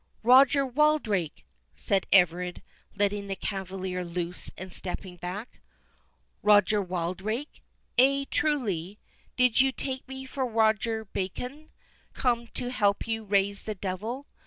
"Roger Wildrake!" said Everard, letting the cavalier loose, and stepping back. "Roger Wildrake? ay, truly. Did you take me for Roger Bacon, come to help you raise the devil?